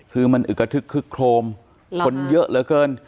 คือมันอึกฐึกครมคนเยอะเหลือเกิน